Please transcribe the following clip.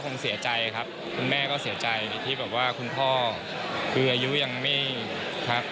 เสียใจครับคุณแม่ก็เสียใจที่แบบว่าคุณพ่อคืออายุยังไม่ครับ